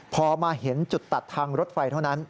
พอมาเห็นจุดตัดทางรถไฟเท่านั้น